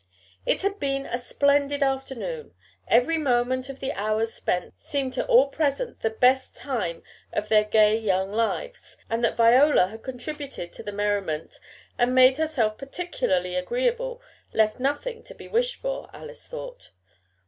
It had been a splendid afternoon, every moment of the hours spent seemed to all present the best time of their gay young lives, and that Viola had contributed to the merriment and made herself particularly agreeable, left nothing to be wished for, Alice thought.